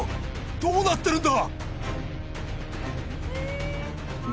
・どうなってるんだ！？